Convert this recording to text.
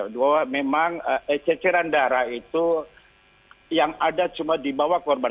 bahwa memang ceceran darah itu yang ada cuma di bawah korban